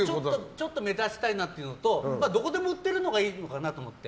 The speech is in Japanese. ちょっと目立ちたいなっていうのとどこでも売ってるのがいいかなと思って。